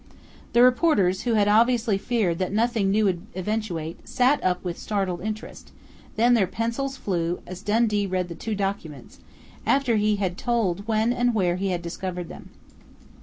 The reporters, who had obviously feared that nothing new would eventuate, sat up with startled interest, then their pencils flew, as Dundee read the two documents, after he had told when and where he had discovered them.